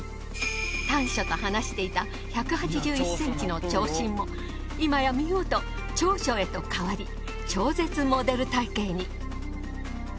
短所と話していた１８１ｃｍの長身もいまや見事長所へと変わり超絶モデル体型に。